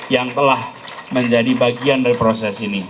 yang telah menjadi bagian dari proses ini